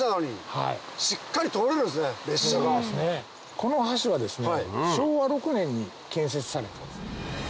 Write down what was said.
この橋はですね昭和６年に建設されてます。